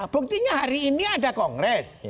buktinya hari ini ada kongres